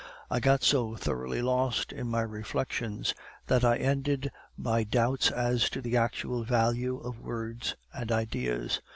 I got so thoroughly lost in my reflections that I ended by doubts as to the actual value of words and ideas.